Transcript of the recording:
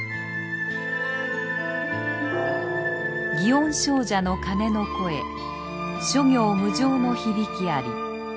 園精舎の鐘の声諸行無常の響きあり。